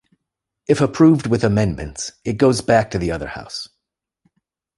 If approved with amendments, it is goes back to the other house.